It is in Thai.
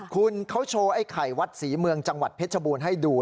คุณเขาโชว์ไอ้ไข่วัดศรีเมืองจังหวัดเพชรบูรณ์ให้ดู